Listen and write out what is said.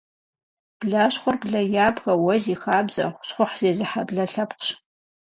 Блащхъуэр блэ ябгэ, уэ зи хабзэ, щхъухь зезыхьэ блэ лъэпкъщ.